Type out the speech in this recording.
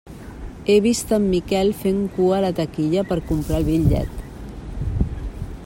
He vist en Miquel fent cua a la taquilla per comprar el bitllet.